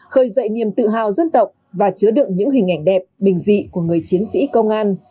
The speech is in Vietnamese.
khơi dậy niềm tự hào dân tộc và chứa đựng những hình ảnh đẹp bình dị của người chiến sĩ công an